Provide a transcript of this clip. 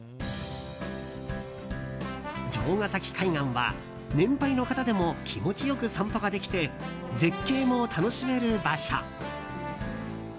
城ヶ崎海岸は年配の方でも気持ちよく散歩ができて絶景も楽しめる場所。